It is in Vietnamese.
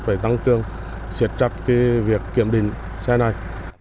phải tăng cường siết chặt cái việc kiểm định xe này